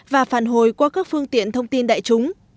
và phản hồi qua các phương tiện thông tin đại chúng